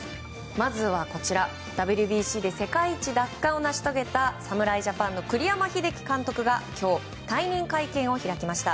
まずはＷＢＣで世界一奪還を成し遂げた侍ジャパンの栗山英樹監督が今日、退任会見を開きました。